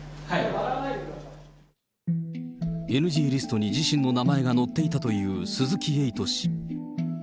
ＮＧリストの自身の名前が載っていたという鈴木エイト氏。